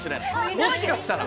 もしかしたら。